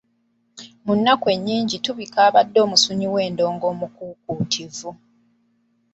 Mu nnaku ennyingi tubika abadde omusunyi w’endongo omukuukuutivu.